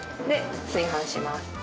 で炊飯します。